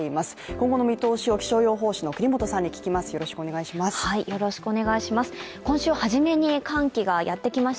今後の見通しを、気象予報士の國本さんに聞きます。